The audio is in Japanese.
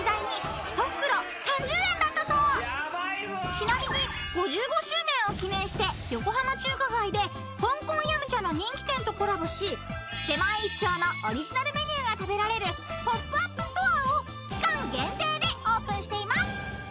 ［ちなみに５５周年を記念して横浜中華街で香港ヤムチャの人気店とコラボし出前一丁のオリジナルメニューが食べられるポップアップストアを期間限定でオープンしています］